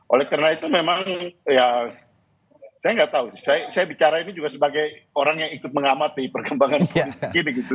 oleh karena itu memang ya saya nggak tahu saya bicara ini juga sebagai orang yang ikut mengamati perkembangan politik begitu